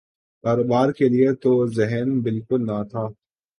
کاروبار کیلئے تو ذہن بالکل نہ تھا۔